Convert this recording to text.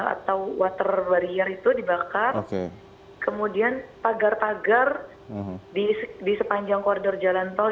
atau water barrier itu dibakar kemudian pagar pagar di sepanjang koridor jalan tol